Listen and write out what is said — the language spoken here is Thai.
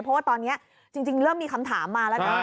เพราะว่าตอนนี้จริงเริ่มมีคำถามมาแล้วนะ